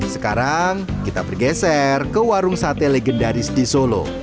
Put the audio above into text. sekarang kita bergeser ke warung sate legendaris di solo